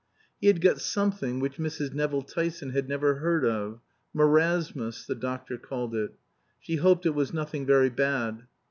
He had got something which Mrs. Nevill Tyson had never heard of "marasmus," the doctor called it. She hoped it was nothing very bad.